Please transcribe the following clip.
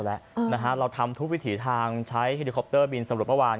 เราทำทุกวิถีทางใช้เฮลิคอปเตอร์บินสำรวจเมื่อวาน